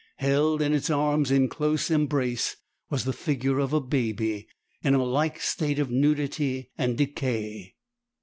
Held in its arms in close embrace was the figure of a baby in a like state of nudity and decay.